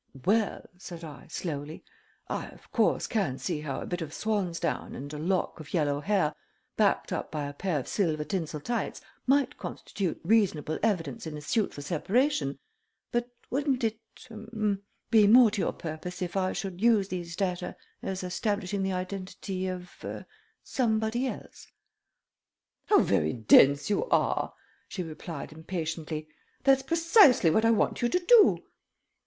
"Well," said I, slowly, "I of course can see how a bit of swan's down and a lock of yellow hair backed up by a pair of silver tinsel tights might constitute reasonable evidence in a suit for separation, but wouldn't it ah be more to your purpose if I should use these data as establishing the identity of er somebody else?" "How very dense you are," she replied, impatiently. "That's precisely what I want you to do."